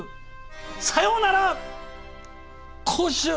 さようなら、今週。